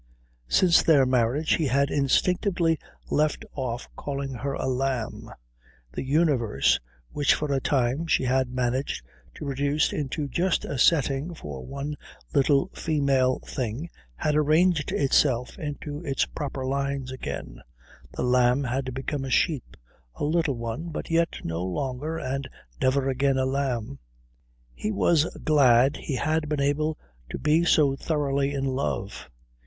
Since their marriage he had instinctively left off calling her a lamb. The universe, which for a time she had managed to reduce into just a setting for one little female thing, had arranged itself into its proper lines again; the lamb had become a sheep a little one, but yet no longer and never again a lamb. He was glad he had been able to be so thoroughly in love.